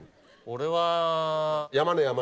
俺は。